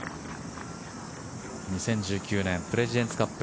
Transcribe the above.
２０１９年プレジデンスカップ